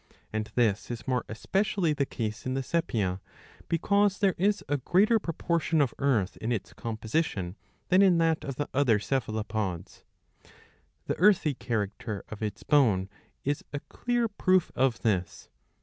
And this is more especially the case in the sepia ; because there is a greater proportion of earth in its composition than in that of the other Cephalopods. The earthy character of its bone is a clear proof of this.